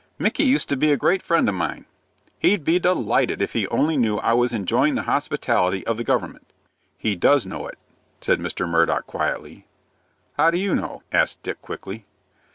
"Micky used to be a great friend of mine. He'd be delighted if he only knew that I was enjoyin' the hospitality of the government." "He does know it," said Mr. Murdock, quietly. "How do you know?" asked Dick, quickly.